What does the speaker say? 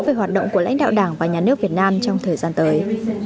về hoạt động của lãnh đạo đảng và nhà nước việt nam trong thời gian tới